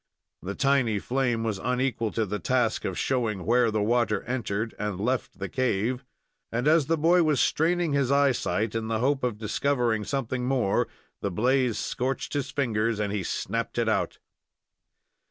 The tiny flame was unequal to the task of showing where the water entered and left the cave, and, as the boy was straining his eyesight in the hope of discovering something more, the blaze scorched his fingers, he snapped it out.